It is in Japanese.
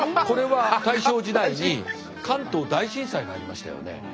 これは大正時代に関東大震災がありましたよね。